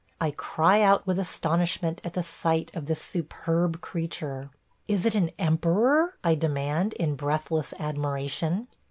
I cry out with astonishment at the sight of this superb creature. "Is it an emperor?" I demand, in breathless admiration.